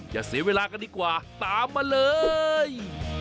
อย่าเสียเวลากันดีกว่าตามมาเลย